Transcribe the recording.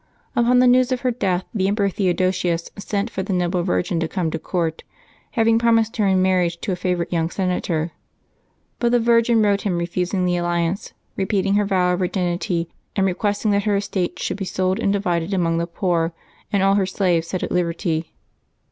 Upon the news of her death the Emperor Theodosius sent for the noble virgin to come to court, having promised her in marriage to a favorite young senator. But the virgin wrote him refusing the alliance, repeating her vow of virginity, and requesting that her estates should be sold and divided among the poor, and all her slaves set at liberty.